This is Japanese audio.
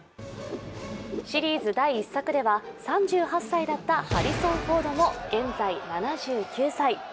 シリーズ第１作では３８歳だったハリソン・フォードも現在７９歳。